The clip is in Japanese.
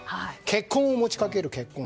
結婚を持ちかける結婚